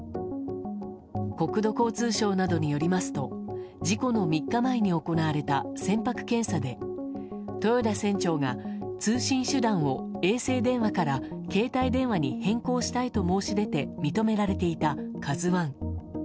国土交通省などによりますと事故の３日前に行われた船舶検査で豊田船長が通信手段を衛星電話から携帯電話に変更したいと申し出て認められていた「ＫＡＺＵ１」。